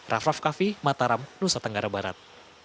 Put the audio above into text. rafraf kaffi mataram nusa tenggara barat